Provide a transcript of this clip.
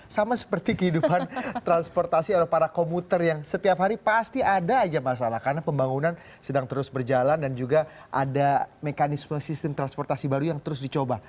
sama seperti kehidupan transportasi atau para komuter yang setiap hari pasti ada aja masalah karena pembangunan sedang terus berjalan dan juga ada mekanisme sistem transportasi baru yang terus dicoba